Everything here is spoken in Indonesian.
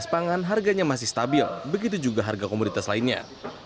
pangan harganya masih stabil begitu juga harga komoditas lainnya